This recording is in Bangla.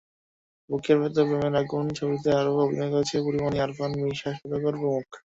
বুকের ভেতর প্রেমের আগুন ছবিতে আরও অভিনয় করেছেন পরীমনি, আরফান, মিশা সওদাগর প্রমূখ।